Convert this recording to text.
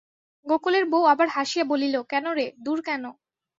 গোকুলের বউ আবার হাসিয়া বলিল, কেন রে, দূর কেন?